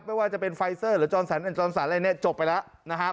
ไม่ว่าจะเป็นไฟเซอร์หรือจรสันแอนจรสันอะไรเนี่ยจบไปแล้วนะครับ